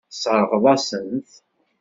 Tesseṛɣeḍ-asen-t.